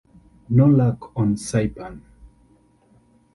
No luck on Saipan.